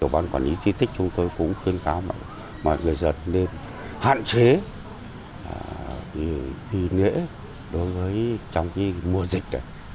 bản quản lý tri tích chúng tôi cũng khuyên kháo mọi người dân nên hạn chế đi lễ đối với trong mùa dịch